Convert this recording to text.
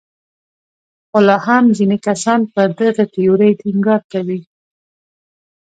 خو لا هم ځینې کسان پر دغې تیورۍ ټینګار کوي.